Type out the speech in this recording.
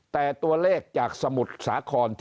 แต่ตัวเลขจากสมุทรสาคร